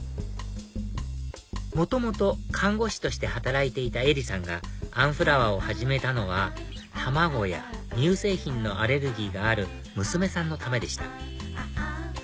元々看護師として働いていたえりさんがあんフラワーを始めたのは卵や乳製品のアレルギーがある娘さんのためでした